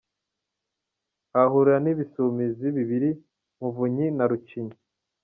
Ahahurira n’Ibisumizi bibiri: Muvunyi na Rucinya.